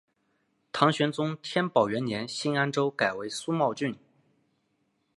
唐玄宗天宝元年新安州改为苏茂郡。